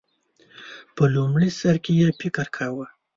په لومړی سر کې یې فکر کاوه